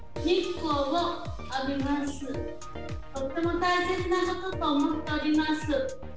とっても大切なことと思っております。